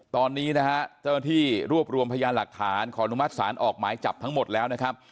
ตอนนี้นะฮะเจ้าหน้าที่รวบรวมพยานหลักฐานขออนุมัติศาลออกหมายจับทั้งหมดแล้วนะครับ